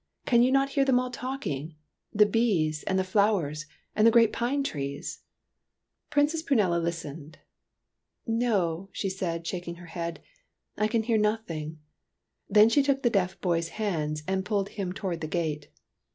Can you not hear them all talking, —the bees and the flowers and the great pine trees ?" Princess Prunella listened. " No," she said, shaking her head, " I can hear n'othing." Then she took the deaf boy's hands and pulled him towards the gate.